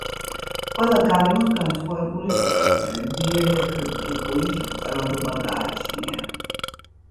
ყველა გარემოს განსხვავებული დიელექტრიკული შეღწევადობა გაჩნია.